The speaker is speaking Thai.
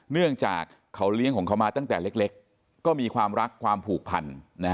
เนื่องจากเขาเลี้ยงของเขามาตั้งแต่เล็กก็มีความรักความผูกพัน